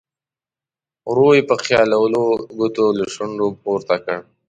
ورو یې په خیالولو ګوتو له شونډو پورته کړ.